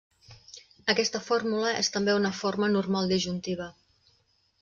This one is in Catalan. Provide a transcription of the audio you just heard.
Aquesta fórmula és també una forma normal disjuntiva.